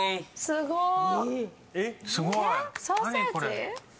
すごい！